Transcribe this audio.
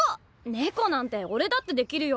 ネコなんてオレだってできるよ！